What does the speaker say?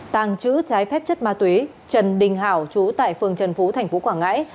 tàng trữ trái phép chất ma túy trần đình hảo chú tại phường trần phú tp quảng ngãi